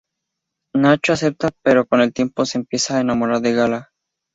Nacho acepta pero con el tiempo se empieza a enamorar de Gala.